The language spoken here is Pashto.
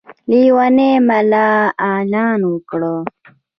لېونی ملا اعلان وکړ.